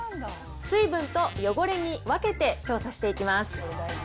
水分と汚れに分けて調査していきます。